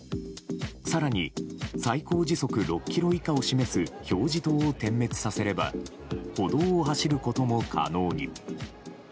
更に、最高時速６キロ以下を示す表示灯を点滅させれば歩道を走ることも可能に。